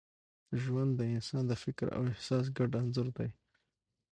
ژوند د انسان د فکر او احساس ګډ انځور دی.